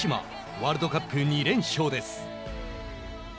ワールドカップ２連勝です。